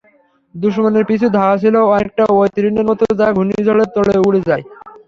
দুশমনের পিছু ধাওয়া ছিল অনেকটা ঐ তৃণের মতো যা ঘূর্ণিঝড়ের তোড়ে উড়ে যায়।